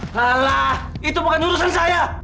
kalah itu bukan urusan saya